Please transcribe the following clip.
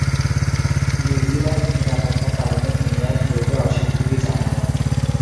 New Zealand নিরাপত্তার কারণে কেনিয়ায় খেলতে অস্বীকৃতি জানায়।